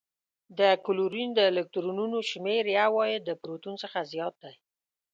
د کلورین د الکترونونو شمیر یو واحد د پروتون څخه زیات دی.